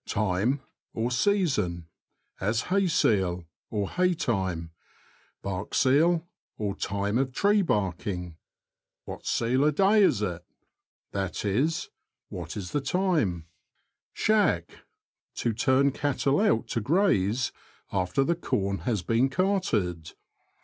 — Time, or season — as hayseel, or haytime ; barkseel, or time of tree barking. ''What seal of day is it?" That is, ''What is the time ?" Shack. — To turn cattle out to graze after the corn has been carted.